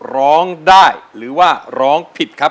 ร้องได้หรือว่าร้องผิดครับ